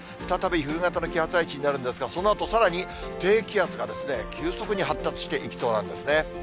再び冬型の気圧配置になるんですが、そのあとさらに、低気圧が急速に発達していきそうなんですね。